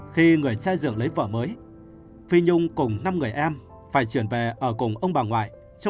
khi người trai ruột lấy vợ mới phi nhung cùng năm người em phải trở về ở cùng ông bà ngoại